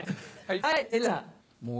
はい。